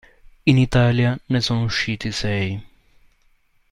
In Italia ne sono usciti sei.